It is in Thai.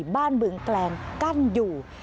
บ้านเบื้องแกลงกั้นอยู่